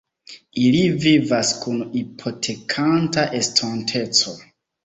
Ili vivas kun hipotekanta estonteco.